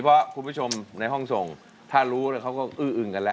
เพราะคุณผู้ชมในห้องส่งถ้ารู้เขาก็อื้ออึงกันแล้ว